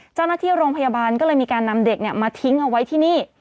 เจ้าหน้าที่โรงพยาบาลก็เลยมีการนำเด็กมาทิ้งเอาไว้ที่นี่